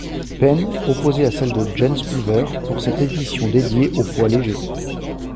Penn, opposée à celle de Jens Pulver pour cette édition dédiée aux poids légers.